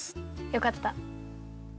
よかった。